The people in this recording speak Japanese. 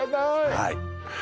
はい